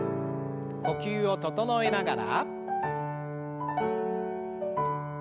呼吸を整えながら。